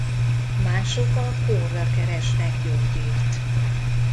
Mások a kórra keresnek gyógyírt.